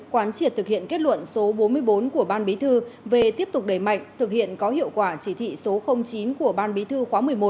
quán triệt thực hiện kết luận số bốn mươi bốn của ban bí thư về tiếp tục đẩy mạnh thực hiện có hiệu quả chỉ thị số chín của ban bí thư khóa một mươi một